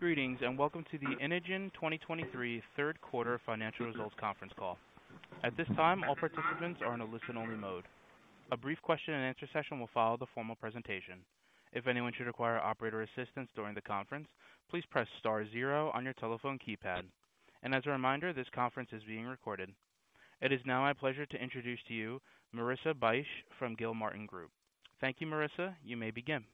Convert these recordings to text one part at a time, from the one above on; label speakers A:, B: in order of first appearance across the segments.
A: Greetings and welcome to the Inogen 2023 Third Quarter Financial Results Conference Call. At this time, all participants are in a listen-only mode. A brief question-and-answer session will follow the formal presentation. If anyone should require operator assistance during the conference, please press star zero on your telephone keypad. As a reminder, this conference is being recorded. It is now my pleasure to introduce to you Marissa Bych from Gilmartin Group. Thank you, Marissa. You may begin.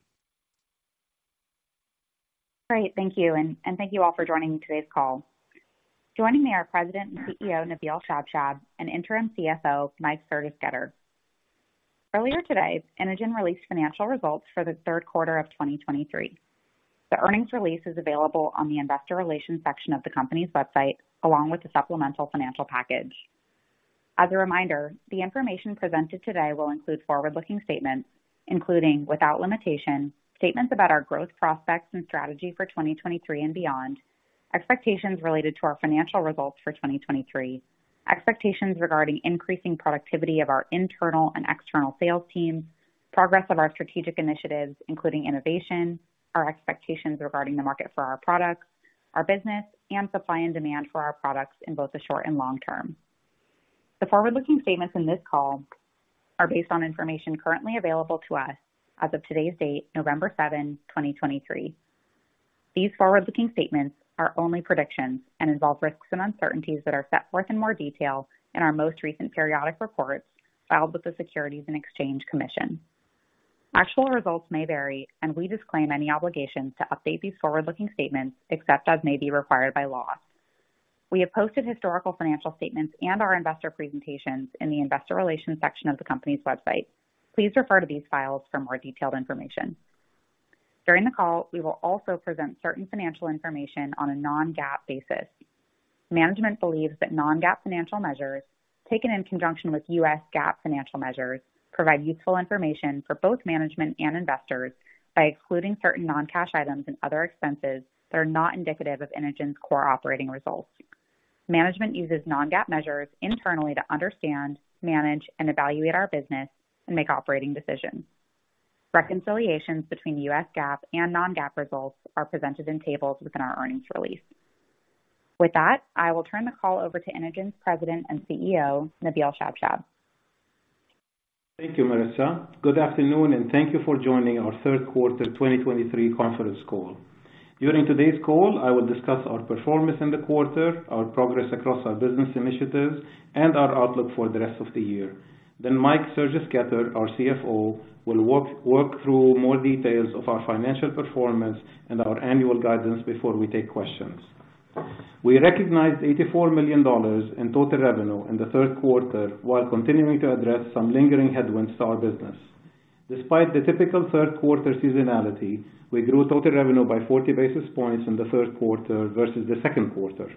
B: Great. Thank you. And thank you all for joining me today's call. Joining me are President and CEO Nabil Shabshab and Interim CFO Mike Sergesketter. Earlier today, Inogen released financial results for the third quarter of 2023. The earnings release is available on the investor relations section of the company's website, along with the supplemental financial package. As a reminder, the information presented today will include forward-looking statements, including without limitation, statements about our growth prospects and strategy for 2023 and beyond, expectations related to our financial results for 2023, expectations regarding increasing productivity of our internal and external sales teams, progress of our strategic initiatives, including innovation, our expectations regarding the market for our products, our business, and supply and demand for our products in both the short and long term. The forward-looking statements in this call are based on information currently available to us as of today's date, November 7, 2023. These forward-looking statements are only predictions and involve risks and uncertainties that are set forth in more detail in our most recent periodic reports filed with the Securities and Exchange Commission. Actual results may vary, and we disclaim any obligations to update these forward-looking statements except as may be required by law. We have posted historical financial statements and our investor presentations in the investor relations section of the company's website. Please refer to these files for more detailed information. During the call, we will also present certain financial information on a non-GAAP basis. Management believes that non-GAAP financial measures, taken in conjunction with U.S. GAAP financial measures, provide useful information for both management and investors by excluding certain non-cash items and other expenses that are not indicative of Inogen's core operating results. Management uses non-GAAP measures internally to understand, manage, and evaluate our business and make operating decisions. Reconciliations between U.S. GAAP and non-GAAP results are presented in tables within our earnings release. With that, I will turn the call over to Inogen's President and CEO Nabil Shabshab.
C: Thank you, Marissa. Good afternoon, and thank you for joining our third quarter 2023 conference call. During today's call, I will discuss our performance in the quarter, our progress across our business initiatives, and our outlook for the rest of the year. Then Mike Sergesketter, our CFO, will work through more details of our financial performance and our annual guidance before we take questions. We recognized $84 million in total revenue in the third quarter while continuing to address some lingering headwinds to our business. Despite the typical third quarter seasonality, we grew total revenue by 40 basis points in the third quarter versus the second quarter.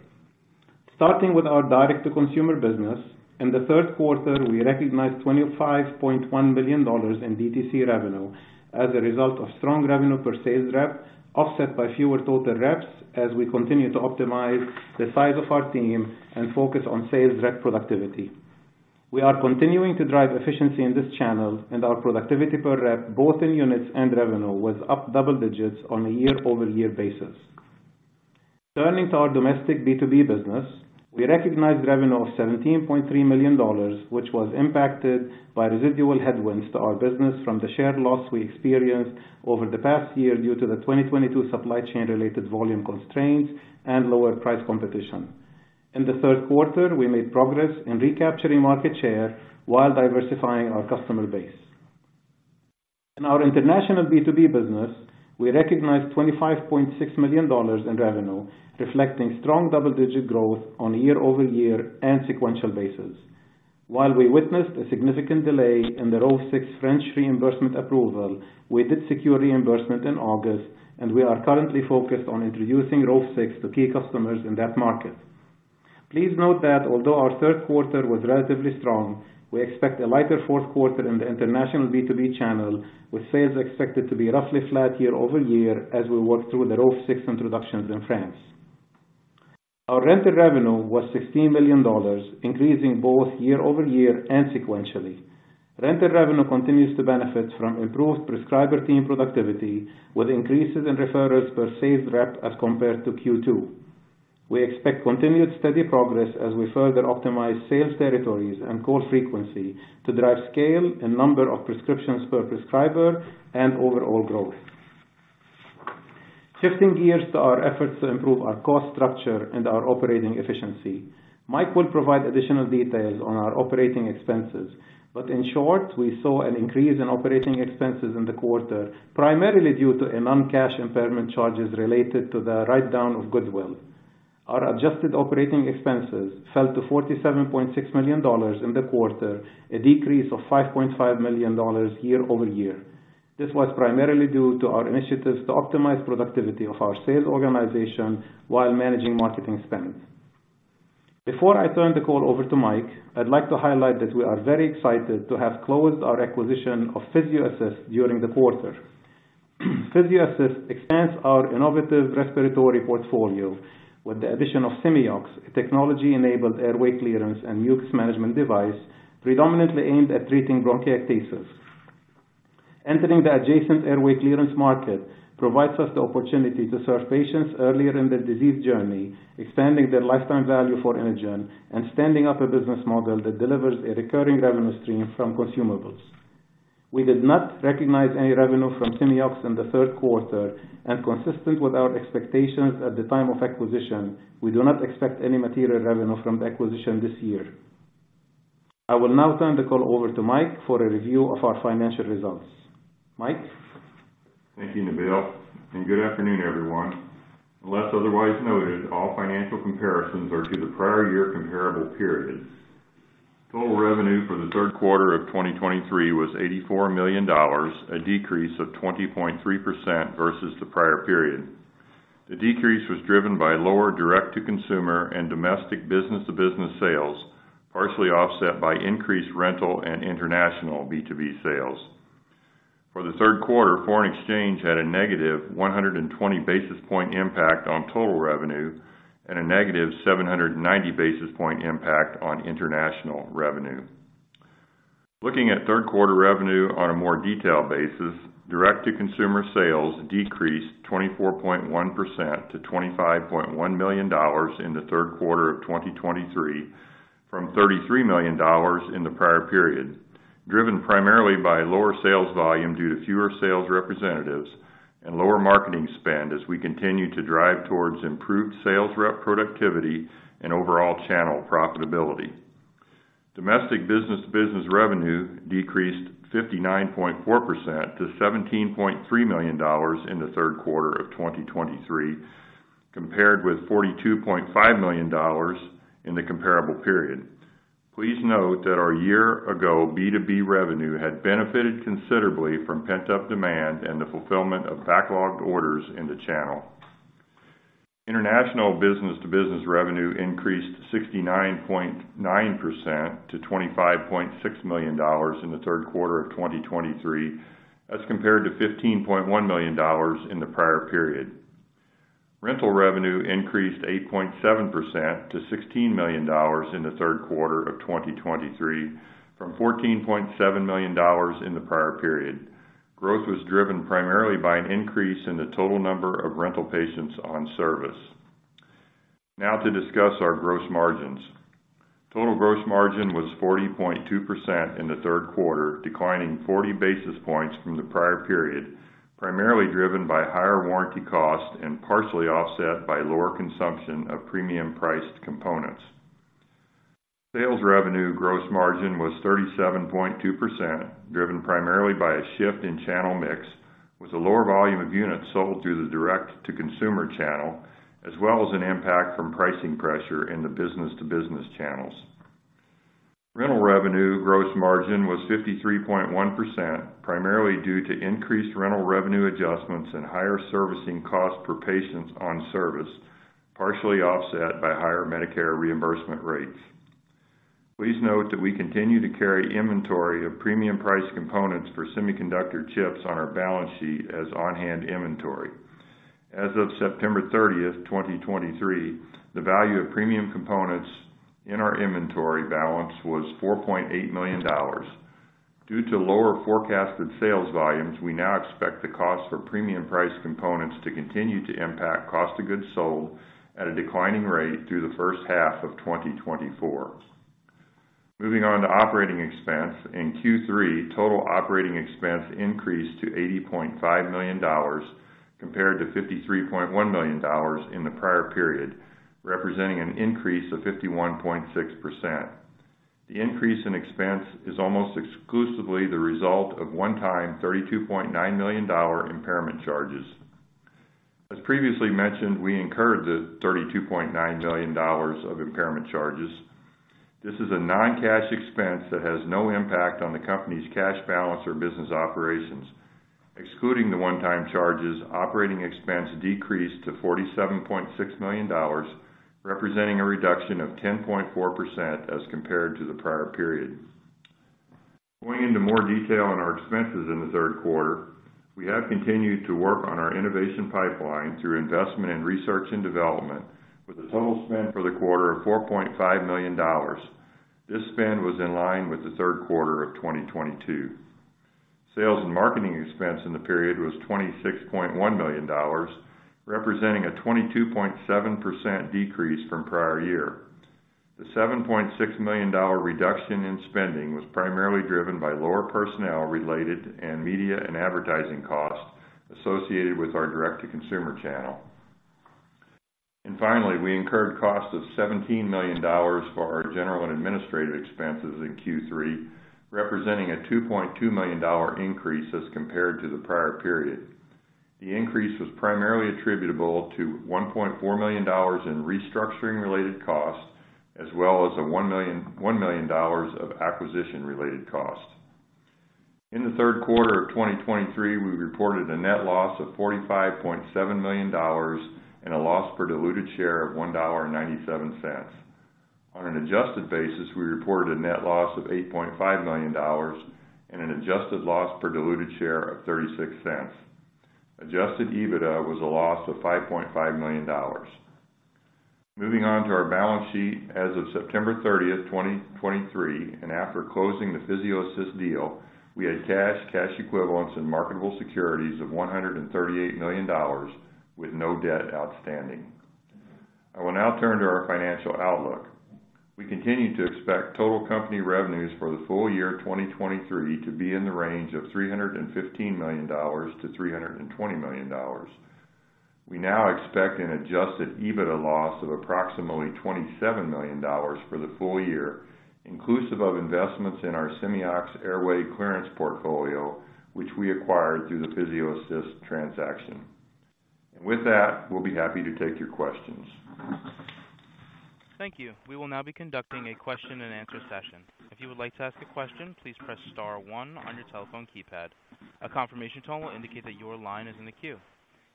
C: Starting with our direct-to-consumer business, in the third quarter, we recognized $25.1 million in DTC revenue as a result of strong revenue per sales rep offset by fewer total reps as we continue to optimize the size of our team and focus on sales rep productivity. We are continuing to drive efficiency in this channel, and our productivity per rep, both in units and revenue, was up double digits on a year-over-year basis. Turning to our domestic B2B business, we recognized revenue of $17.3 million, which was impacted by residual headwinds to our business from the share loss we experienced over the past year due to the 2022 supply chain-related volume constraints and lower price competition. In the third quarter, we made progress in recapturing market share while diversifying our customer base. In our international B2B business, we recognized $25.6 million in revenue, reflecting strong double-digit growth on a year-over-year and sequential basis. While we witnessed a significant delay in the Rove 6 French reimbursement approval, we did secure reimbursement in August, and we are currently focused on introducing Rove 6 to key customers in that market. Please note that although our third quarter was relatively strong, we expect a lighter fourth quarter in the international B2B channel, with sales expected to be roughly flat year-over-year as we work through the Rove 6 introductions in France. Our rental revenue was $16 million, increasing both year-over-year and sequentially. Rental revenue continues to benefit from improved prescriber team productivity, with increases in referrals per sales rep as compared to Q2. We expect continued steady progress as we further optimize sales territories and call frequency to drive scale in number of prescriptions per prescriber and overall growth. Shifting gears to our efforts to improve our cost structure and our operating efficiency, Mike will provide additional details on our operating expenses. But in short, we saw an increase in operating expenses in the quarter, primarily due to a non-cash impairment charges related to the write-down of goodwill. Our adjusted operating expenses fell to $47.6 million in the quarter, a decrease of $5.5 million year-over-year. This was primarily due to our initiatives to optimize productivity of our sales organization while managing marketing spend. Before I turn the call over to Mike, I'd like to highlight that we are very excited to have closed our acquisition of PhysioAssist during the quarter. PhysioAssist expands our innovative respiratory portfolio with the addition of Simeox, a technology-enabled airway clearance and mucus management device predominantly aimed at treating bronchiectasis. Entering the adjacent airway clearance market provides us the opportunity to serve patients earlier in their disease journey, expanding their lifetime value for Inogen and standing up a business model that delivers a recurring revenue stream from consumables. We did not recognize any revenue from Simeox in the third quarter, and consistent with our expectations at the time of acquisition, we do not expect any material revenue from the acquisition this year. I will now turn the call over to Mike for a review of our financial results. Mike?
D: Thank you, Nabil. Good afternoon, everyone. Unless otherwise noted, all financial comparisons are to the prior-year comparable period. Total revenue for the third quarter of 2023 was $84 million, a decrease of 20.3% versus the prior period. The decrease was driven by lower direct-to-consumer and domestic business-to-business sales, partially offset by increased rental and international B2B sales. For the third quarter, foreign exchange had a -120 basis point impact on total revenue and a -790 basis point impact on international revenue. Looking at third quarter revenue on a more detailed basis, direct-to-consumer sales decreased 24.1% to $25.1 million in the third quarter of 2023 from $33 million in the prior period, driven primarily by lower sales volume due to fewer sales representatives and lower marketing spend as we continue to drive towards improved sales rep productivity and overall channel profitability. Domestic business-to-business revenue decreased 59.4% to $17.3 million in the third quarter of 2023, compared with $42.5 million in the comparable period. Please note that our year-ago B2B revenue had benefited considerably from pent-up demand and the fulfillment of backlogged orders in the channel. International business-to-business revenue increased 69.9% to $25.6 million in the third quarter of 2023 as compared to $15.1 million in the prior period. Rental revenue increased 8.7% to $16 million in the third quarter of 2023 from $14.7 million in the prior period. Growth was driven primarily by an increase in the total number of rental patients on service. Now to discuss our gross margins. Total gross margin was 40.2% in the third quarter, declining 40 basis points from the prior period, primarily driven by higher warranty cost and partially offset by lower consumption of premium-priced components. Sales revenue gross margin was 37.2%, driven primarily by a shift in channel mix with a lower volume of units sold through the direct-to-consumer channel, as well as an impact from pricing pressure in the business-to-business channels. Rental revenue gross margin was 53.1%, primarily due to increased rental revenue adjustments and higher servicing cost per patient on service, partially offset by higher Medicare reimbursement rates. Please note that we continue to carry inventory of premium-priced components for semiconductor chips on our balance sheet as on-hand inventory. As of September 30, 2023, the value of premium components in our inventory balance was $4.8 million. Due to lower forecasted sales volumes, we now expect the cost for premium-priced components to continue to impact cost of goods sold at a declining rate through the first half of 2024. Moving on to operating expense, in Q3, total operating expense increased to $80.5 million compared to $53.1 million in the prior period, representing an increase of 51.6%. The increase in expense is almost exclusively the result of one-time $32.9 million impairment charges. As previously mentioned, we incurred the $32.9 million of impairment charges. This is a non-cash expense that has no impact on the company's cash balance or business operations. Excluding the one-time charges, operating expense decreased to $47.6 million, representing a reduction of 10.4% as compared to the prior period. Going into more detail on our expenses in the third quarter, we have continued to work on our innovation pipeline through investment and research and development, with a total spend for the quarter of $4.5 million. This spend was in line with the third quarter of 2022. Sales and marketing expense in the period was $26.1 million, representing a 22.7% decrease from prior year. The $7.6 million reduction in spending was primarily driven by lower personnel-related and media and advertising costs associated with our direct-to-consumer channel. Finally, we incurred costs of $17 million for our general and administrative expenses in Q3, representing a $2.2 million increase as compared to the prior period. The increase was primarily attributable to $1.4 million in restructuring-related cost as well as a $1 million of acquisition-related cost. In the third quarter of 2023, we reported a net loss of $45.7 million and a loss per diluted share of $1.97. On an adjusted basis, we reported a net loss of $8.5 million and an adjusted loss per diluted share of $0.36. Adjusted EBITDA was a loss of $5.5 million. Moving on to our balance sheet, as of September 30, 2023, and after closing the PhysioAssist deal, we had cash, cash equivalents, and marketable securities of $138 million with no debt outstanding. I will now turn to our financial outlook. We continue to expect total company revenues for the full year 2023 to be in the range of $315 million-$320 million. We now expect an adjusted EBITDA loss of approximately $27 million for the full year, inclusive of investments in our Simeox airway clearance portfolio, which we acquired through the PhysioAssist transaction. With that, we'll be happy to take your questions.
A: Thank you. We will now be conducting a question-and-answer session. If you would like to ask a question, please press star one on your telephone keypad. A confirmation tone will indicate that your line is in the queue.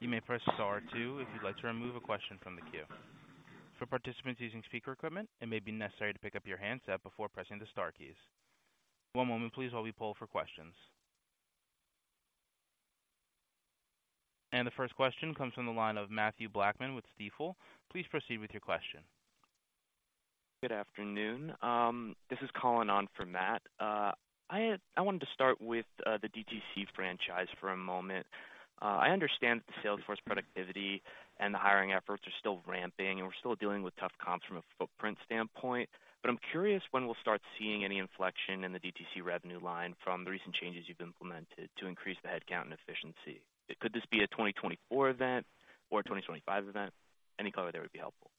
A: You may press star two if you'd like to remove a question from the queue. For participants using speaker equipment, it may be necessary to pick up your handset before pressing the star keys. One moment, please, while we pull for questions. The first question comes from the line of Matthew Blackman with Stifel. Please proceed with your question.
E: Good afternoon. This is Colin calling in for Matt. I wanted to start with the DTC franchise for a moment. I understand that the sales force productivity and the hiring efforts are still ramping, and we're still dealing with tough comps from a footprint standpoint. But I'm curious when we'll start seeing any inflection in the DTC revenue line from the recent changes you've implemented to increase the headcount and efficiency. Could this be a 2024 event or a 2025 event? Any color there would be helpful.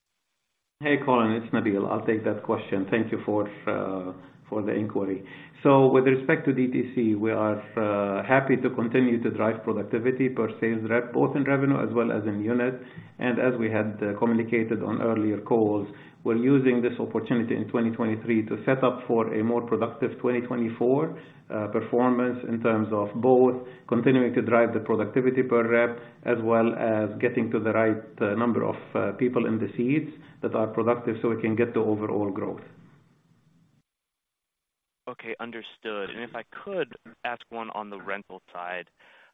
C: Hey, Colin. It's Nabil. I'll take that question. Thank you for the inquiry. So with respect to DTC, we are happy to continue to drive productivity per sales rep, both in revenue as well as in unit. And as we had communicated on earlier calls, we're using this opportunity in 2023 to set up for a more productive 2024 performance in terms of both continuing to drive the productivity per rep as well as getting to the right number of people in the seats that are productive so we can get the overall growth.
E: Okay. Understood. If I could ask one on the rental side,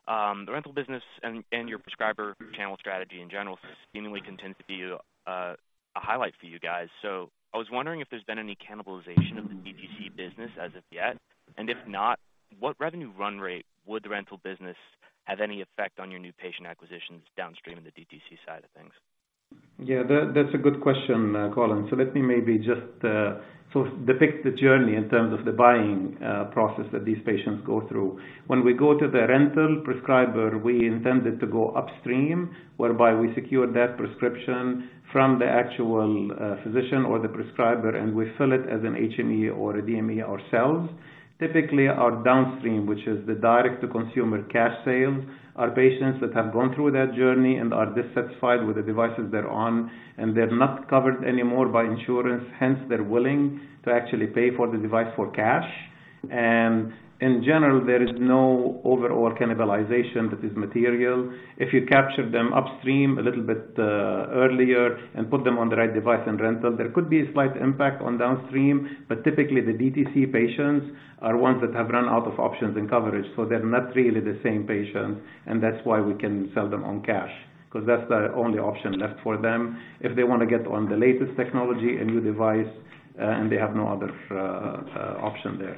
E: the rental business and your prescriber channel strategy in general seemingly contends to be a highlight for you guys. So I was wondering if there's been any cannibalization of the DTC business as of yet? If not, what revenue run rate would the rental business have any effect on your new patient acquisitions downstream in the DTC side of things?
C: Yeah. That's a good question, Colin. So let me maybe just depict the journey in terms of the buying process that these patients go through. When we go to the rental prescriber, we intended to go upstream, whereby we secure that prescription from the actual physician or the prescriber, and we fill it as an HME or a DME ourselves. Typically, our downstream, which is the direct-to-consumer cash sales, are patients that have gone through that journey and are dissatisfied with the devices they're on, and they're not covered anymore by insurance. Hence, they're willing to actually pay for the device for cash. And in general, there is no overall cannibalization that is material. If you capture them upstream a little bit earlier and put them on the right device and rental, there could be a slight impact on downstream. Typically, the DTC patients are ones that have run out of options and coverage. They're not really the same patients. That's why we can sell them on cash, 'cause that's the only option left for them if they wanna get on the latest technology, a new device, and they have no other option there.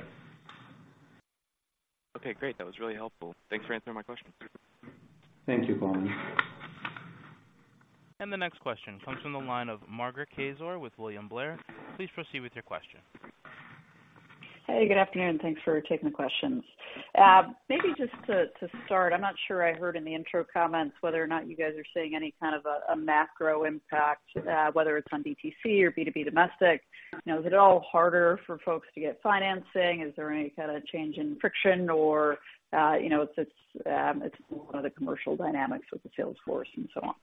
E: Okay. Great. That was really helpful. Thanks for answering my question.
C: Thank you, Colin.
A: The next question comes from the line of Margaret Kaczor with William Blair. Please proceed with your question.
F: Hey. Good afternoon. Thanks for taking the questions. Maybe just to start, I'm not sure I heard in the intro comments whether or not you guys are seeing any kind of a macro impact, whether it's on DTC or B2B domestic? You know, is it at all harder for folks to get financing? Is there any kinda change in friction or, you know, it's more of the commercial dynamics with the sales force and so on?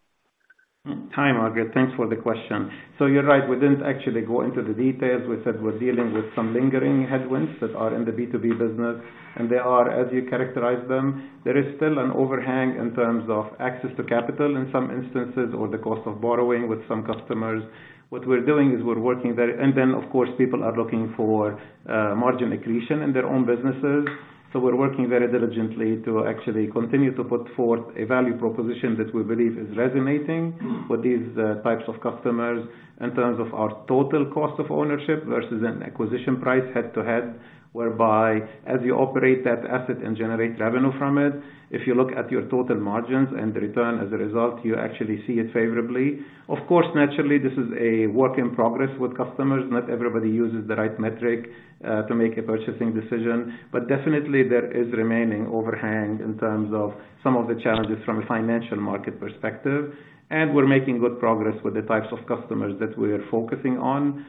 C: Hi, Margaret. Thanks for the question. So you're right. We didn't actually go into the details. We said we're dealing with some lingering headwinds that are in the B2B business. And they are, as you characterize them, there is still an overhang in terms of access to capital in some instances or the cost of borrowing with some customers. What we're doing is we're working very and then, of course, people are looking for margin accretion in their own businesses. So we're working very diligently to actually continue to put forth a value proposition that we believe is resonating with these types of customers in terms of our total cost of ownership versus an acquisition price head-to-head, whereby as you operate that asset and generate revenue from it, if you look at your total margins and the return as a result, you actually see it favorably. Of course, naturally, this is a work in progress with customers. Not everybody uses the right metric, to make a purchasing decision. But definitely, there is remaining overhang in terms of some of the challenges from a financial market perspective. We're making good progress with the types of customers that we are focusing on,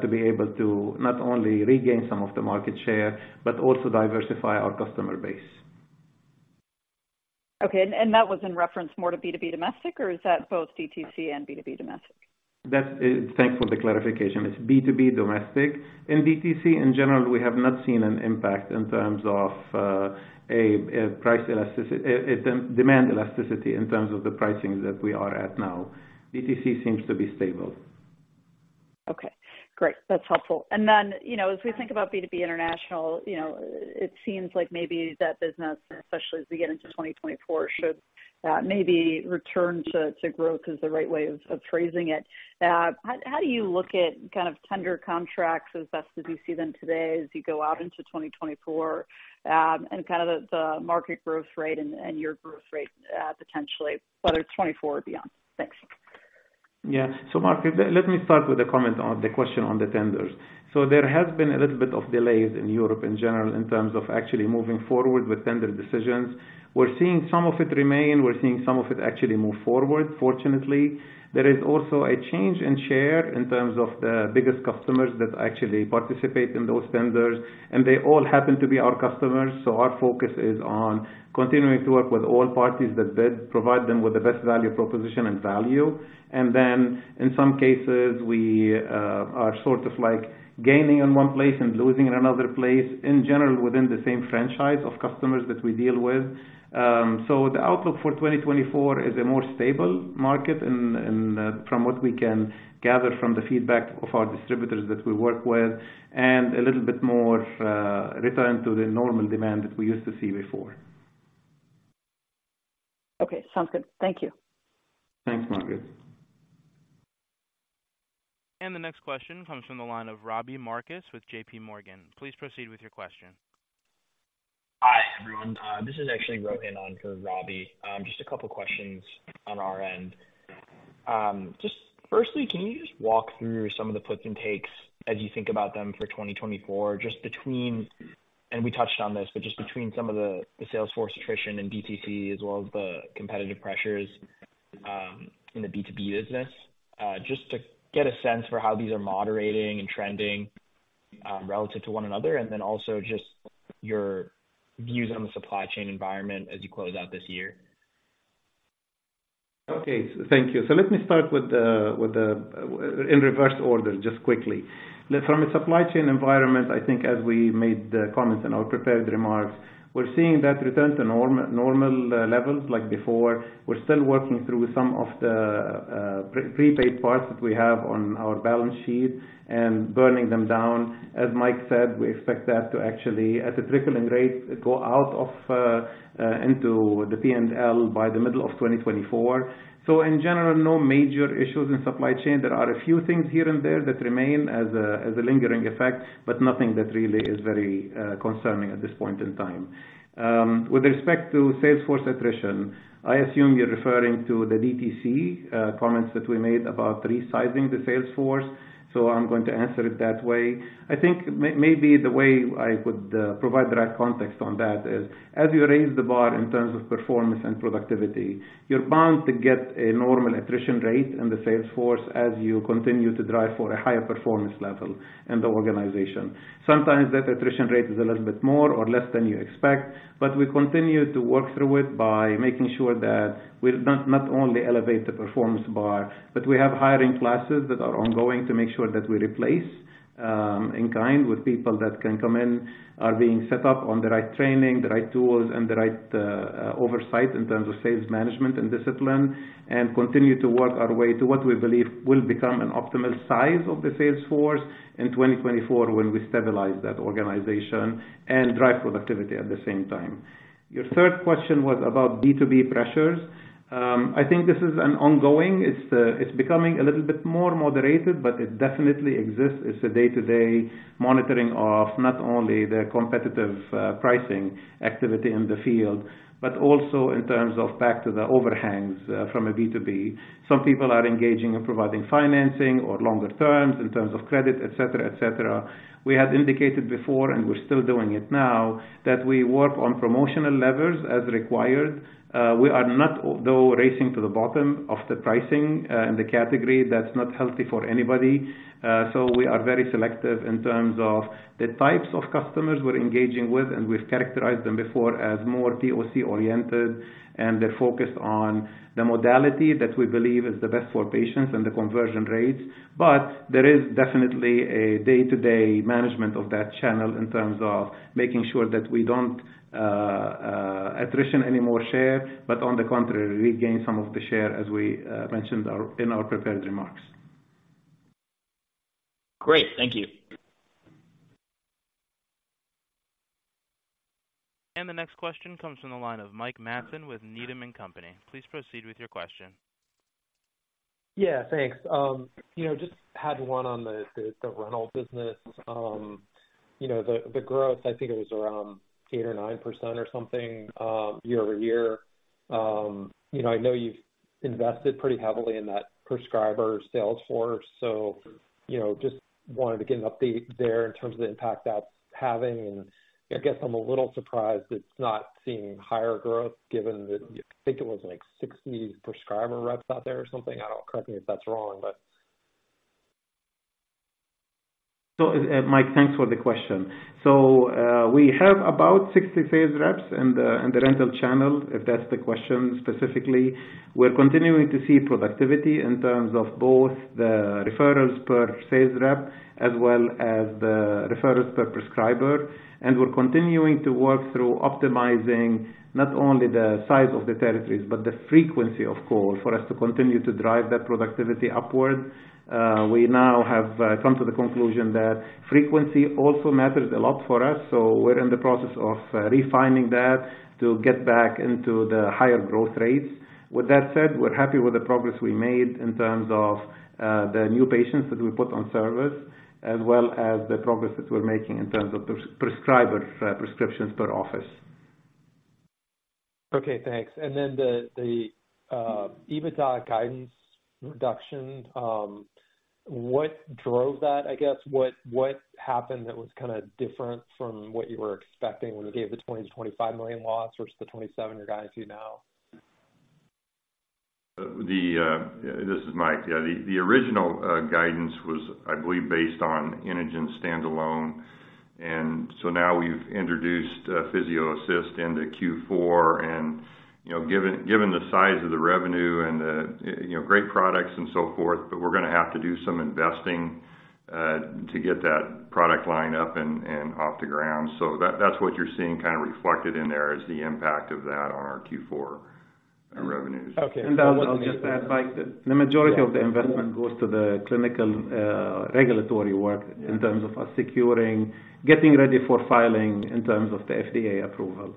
C: to be able to not only regain some of the market share but also diversify our customer base.
F: Okay. And that was in reference more to B2B domestic, or is that both DTC and B2B domestic?
C: That's it. Thanks for the clarification. It's B2B domestic. In DTC, in general, we have not seen an impact in terms of price elasticity demand elasticity in terms of the pricing that we are at now. DTC seems to be stable.
F: Okay. Great. That's helpful. And then, you know, as we think about B2B international, you know, it seems like maybe that business, especially as we get into 2024, should, maybe return to, to growth is the right way of, of phrasing it. How, how do you look at kind of tender contracts as best as you see them today as you go out into 2024, and kinda the, the market growth rate and, and your growth rate, potentially, whether it's 2024 or beyond? Thanks.
C: Yeah. So, Margaret, let me start with a comment on the question on the tenders. So there has been a little bit of delays in Europe in general in terms of actually moving forward with tender decisions. We're seeing some of it remain. We're seeing some of it actually move forward, fortunately. There is also a change in share in terms of the biggest customers that actually participate in those tenders. And they all happen to be our customers. So our focus is on continuing to work with all parties that bid, provide them with the best value proposition and value. And then in some cases, we are sort of like gaining in one place and losing in another place, in general, within the same franchise of customers that we deal with. The outlook for 2024 is a more stable market from what we can gather from the feedback of our distributors that we work with and a little bit more return to the normal demand that we used to see before.
F: Okay. Sounds good. Thank you.
C: Thanks, Margaret.
A: The next question comes from the line of Robbie Marcus with JPMorgan. Please proceed with your question.
G: Hi, everyone. This is actually Rohan on for Robbie. Just a couple questions on our end. Just firstly, can you just walk through some of the puts and takes as you think about them for 2024, just between, and we touched on this, but just between some of the, the sales force attrition in DTC as well as the competitive pressures in the B2B business, just to get a sense for how these are moderating and trending relative to one another and then also just your views on the supply chain environment as you close out this year?
C: Okay. So thank you. So let me start with them in reverse order, just quickly. Last, from a supply chain environment, I think as we made the comments and our prepared remarks, we're seeing that return to normal levels like before. We're still working through some of the prepaid parts that we have on our balance sheet and burning them down. As Mike said, we expect that to actually at a trickling rate go out into the P&L by the middle of 2024. So in general, no major issues in supply chain. There are a few things here and there that remain as a lingering effect, but nothing that really is very concerning at this point in time. With respect to sales force attrition, I assume you're referring to the DTC comments that we made about resizing the sales force. I'm going to answer it that way. I think maybe the way I would provide the right context on that is, as you raise the bar in terms of performance and productivity, you're bound to get a normal attrition rate in the sales force as you continue to drive for a higher performance level in the organization. Sometimes that attrition rate is a little bit more or less than you expect. But we continue to work through it by making sure that we're not only elevate the performance bar, but we have hiring classes that are ongoing to make sure that we replace in kind with people that can come in and are being set up on the right training, the right tools, and the right oversight in terms of sales management and discipline, and continue to work our way to what we believe will become an optimal size of the sales force in 2024 when we stabilize that organization and drive productivity at the same time. Your third question was about B2B pressures. I think this is an ongoing. It's becoming a little bit more moderated, but it definitely exists. It's a day-to-day monitoring of not only the competitive pricing activity in the field but also in terms of back to the overhangs from a B2B. Some people are engaging in providing financing or longer terms in terms of credit, etc., etc. We had indicated before, and we're still doing it now, that we work on promotional levers as required. We are not, though, racing to the bottom of the pricing, in the category. That's not healthy for anybody. So we are very selective in terms of the types of customers we're engaging with. We've characterized them before as more POC-oriented, and they're focused on the modality that we believe is the best for patients and the conversion rates. There is definitely a day-to-day management of that channel in terms of making sure that we don't attrition any more share but, on the contrary, regain some of the share as we mentioned in our prepared remarks.
G: Great. Thank you.
A: The next question comes from the line of Mike Matson with Needham & Company. Please proceed with your question.
H: Yeah. Thanks. You know, just had one on the rental business. You know, the growth, I think it was around 8% or 9% or something, year-over-year. You know, I know you've invested pretty heavily in that prescriber sales force. So, you know, just wanted to get an update there in terms of the impact that's having and I guess I'm a little surprised it's not seeing higher growth given that I think it was like 60 prescriber reps out there or something? I don't know. Correct me if that's wrong, but.
C: So, Mike, thanks for the question. So, we have about 60 sales reps in the rental channel, if that's the question specifically. We're continuing to see productivity in terms of both the referrals per sales rep as well as the referrals per prescriber. And we're continuing to work through optimizing not only the size of the territories but the frequency of calls for us to continue to drive that productivity upward. We now have come to the conclusion that frequency also matters a lot for us. So we're in the process of refining that to get back into the higher growth rates. With that said, we're happy with the progress we made in terms of the new patients that we put on service as well as the progress that we're making in terms of prescriber prescriptions per office.
H: Okay. Thanks. And then the EBITDA guidance reduction, what drove that, I guess? What happened that was kinda different from what you were expecting when you gave the $20 million-$25 million loss versus the $27 million you're going to now?
D: This is Mike. Yeah. The original guidance was, I believe, based on Inogen standalone. And so now we've introduced PhysioAssist into Q4. And, you know, given the size of the revenue and the, you know, great products and so forth, but we're gonna have to do some investing to get that product line up and off the ground. So that's what you're seeing kinda reflected in there is the impact of that on our Q4 revenues.
C: Okay. I'll just add, Mike, that the majority of the investment goes to the clinical, regulatory work in terms of us securing, getting ready for filing in terms of the FDA approval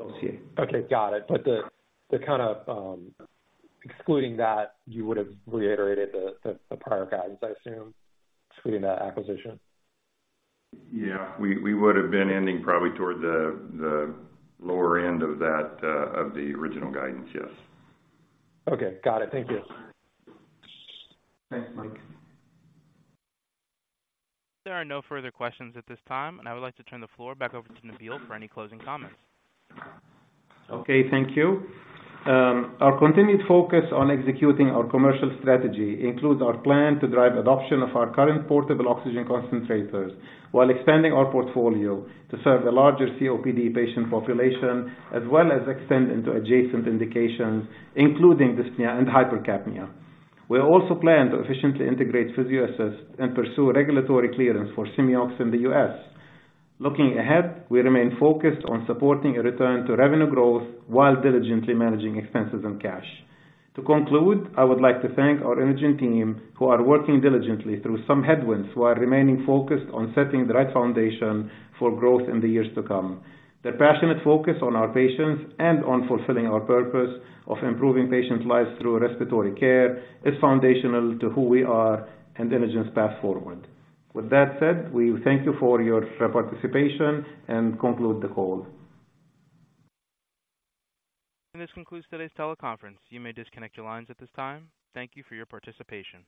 C: dossier.
H: Okay. Got it. But the kinda, excluding that, you would have reiterated the prior guidance, I assume, excluding that acquisition?
D: Yeah. We would have been ending probably toward the lower end of that, of the original guidance. Yes.
H: Okay. Got it. Thank you.
G: Thanks, Mike.
A: There are no further questions at this time. I would like to turn the floor back over to Nabil for any closing comments.
C: Okay. Thank you. Our continued focus on executing our commercial strategy includes our plan to drive adoption of our current portable oxygen concentrators while expanding our portfolio to serve a larger COPD patient population as well as extend into adjacent indications including dyspnea and hypercapnia. We also plan to efficiently integrate PhysioAssist and pursue regulatory clearance for Simeox in the U.S. Looking ahead, we remain focused on supporting a return to revenue growth while diligently managing expenses and cash. To conclude, I would like to thank our Inogen team who are working diligently through some headwinds while remaining focused on setting the right foundation for growth in the years to come. Their passionate focus on our patients and on fulfilling our purpose of improving patient lives through respiratory care is foundational to who we are and Inogen's path forward. With that said, we thank you for your participation and conclude the call.
A: This concludes today's teleconference. You may disconnect your lines at this time. Thank you for your participation.